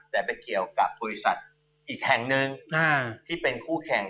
แต่ไปเกี่ยวกับบริษัทอีกแห่งหนึ่งที่เป็นคู่แข่ง